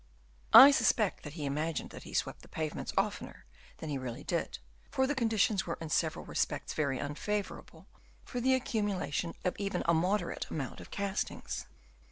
I suspect that he imagined that he swept the pavements oftener than he really did, for the conditions were in several re spects very unfavourable for the accumulation of even a moderate amount of castings.